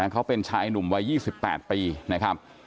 เขาเป็นชายหนุ่มวัย๒๘ปีนะครับ